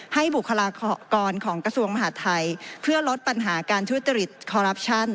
บุคลากรของกระทรวงมหาดไทยเพื่อลดปัญหาการทุจริตคอรัปชั่น